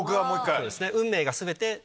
そうですね。